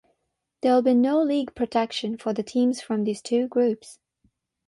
There will be no league protection for the teams from these two groups.